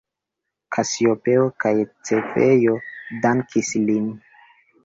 Kasiopeo kaj Cefeo dankis lin.